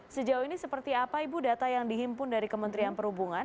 sejauh ini seperti apa ibu data yang dihimpun dari kementerian perhubungan